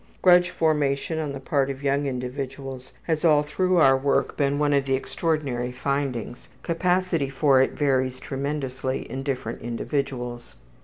Grudge formation on the part of young individuals has all through our work been one of the extraordinary findings; capacity for it varies tremendously in different individuals.